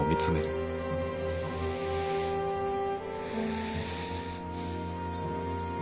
うん。